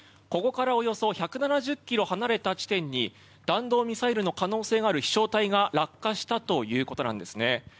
ここからおよそ１７０ｋｍ離れた地点に弾道ミサイルの可能性がある飛翔体が落下したということなんですね。